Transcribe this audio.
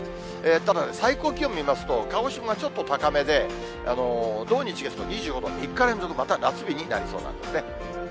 ただ、最高気温を見ますと、鹿児島はちょっと高めで、土日月と２５度、３日連続また夏日になりそうなんですね。